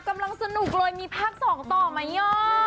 กำลังสนุกเลยมีภาพสองต่อมั้ยเนี่ย